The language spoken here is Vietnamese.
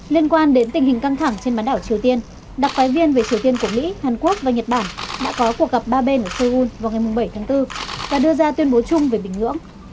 liên quan đến tình hình căng thẳng trên bán đảo triều tiên đặc phái viên về triều tiên của mỹ hàn quốc và nhật bản đã có cuộc gặp ba bên ở seoul vào ngày bảy tháng bốn và đưa ra tuyên bố chung về bình ngưỡng